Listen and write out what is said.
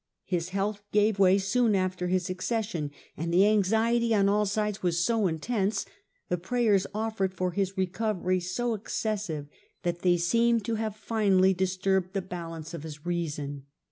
His health gave way soon after his accession ; and the anxiety on all sides was so intense, the prayers offered for his recovery so excessive, that they seemed to have finally isturbed tlie balance of his reason.